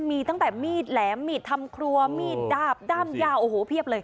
มีตั้งแต่มีดแหลมมีดทำครัวมีดดาบด้ามยาวโอ้โหเพียบเลย